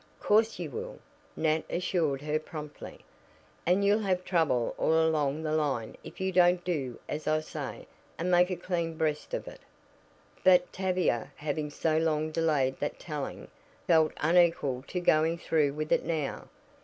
"Course you will," Nat assured her promptly; "and you'll have trouble all along the line if you don't do as I say, and make a clean breast of it." But Tavia, having so long delayed that telling, felt unequal to going through with it now.